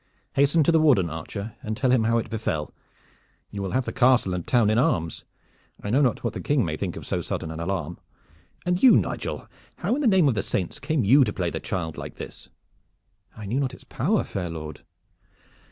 "Hasten to the warden, archer, and tell him how it befell. You will have the castle and the town in arms. I know not what the King may think of so sudden an alarm. And you, Nigel, how in the name of the saints came you to play the child like this?" "I knew not its power, fair lord."